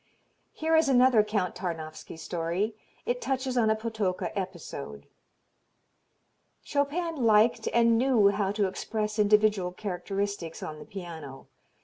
Here is another Count Tarnowski story. It touches on a Potocka episode. "Chopin liked and knew how to express individual characteristics on the piano.